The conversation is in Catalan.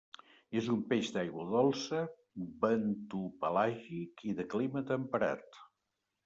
És un peix d'aigua dolça, bentopelàgic i de clima temperat.